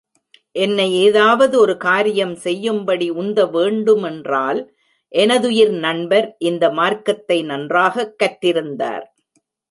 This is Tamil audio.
என்னை ஏதாவது ஒரு காரியம் செய்யும்படி உந்த வேண்டுமென்றால், எனதுயிர் நண்பர், இந்த மார்க்கத்தை நன்றாகக் கற்றிருந்தார்.